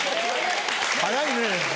早いね。